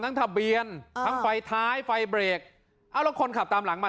ทะเบียนทั้งไฟท้ายไฟเบรกเอ้าแล้วคนขับตามหลังมา